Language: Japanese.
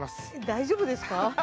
大丈夫ですか？